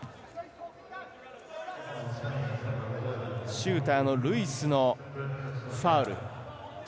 シューターのルイスのファウル。